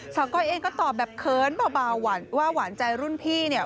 ชาวก้อยเอ็นก็ตอบแบบเคิ้นเบาว่าหวานใจรุ่นพี่